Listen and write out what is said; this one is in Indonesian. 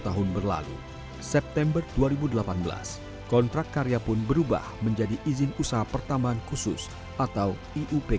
tahun berlalu september dua ribu delapan belas kontrak karya pun berubah menjadi izin usaha pertambahan khusus atau iupk